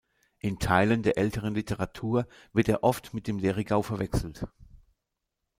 In Teilen der älteren Literatur wird er oft mit dem Lerigau verwechselt.